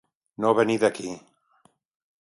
No venir d'aquí.